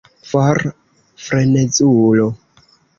For, frenezulo!